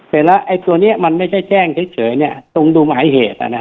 เสร็จแล้วไอตัวเนี้ยมันไม่ใช่แจ้งเท็จเฉยเนี้ยตรงดูหมายเหตุอ่ะนะฮะ